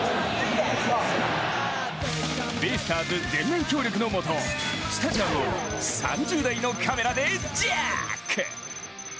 全面協力のもと、スタジアムを３０台のカメラでジャック！